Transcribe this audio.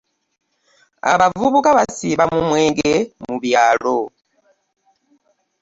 Abavubuka basiiba mu mwenge mu byalo.